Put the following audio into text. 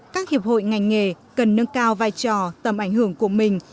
các hiệp hội ngành nghề cần nâng cao vai trò tầm ảnh hưởng của mình